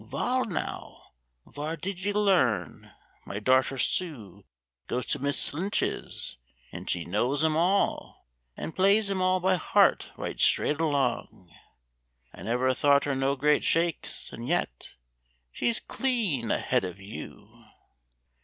"Wall, now, whar did ye learn? My darter Sue Goes to Miss Lynch's, and she knows 'em all, An' plays 'em all by heart right straight along. I never thought her no great shakes, and yet She's clean ahead of you."